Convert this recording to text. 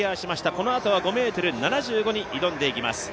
このあとは５ｍ７５に挑んでいきます。